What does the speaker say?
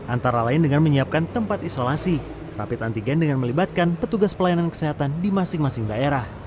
antara lain dengan menyiapkan tempat isolasi rapid antigen dengan melibatkan petugas pelayanan kesehatan di masing masing daerah